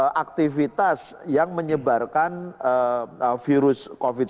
ada aktivitas yang menyebarkan virus covid sembilan belas